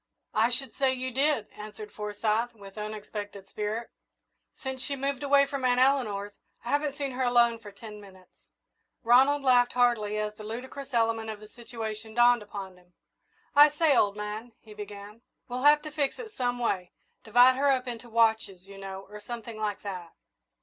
"I should say you did," answered Forsyth, with unexpected spirit. "Since she moved away from Aunt Eleanor's, I haven't seen her alone for ten minutes." Ronald laughed heartily as the ludicrous element of the situation dawned upon him. "I say, old man," he began, "we'll have to fix it some way divide her up into watches, you know, or something like that."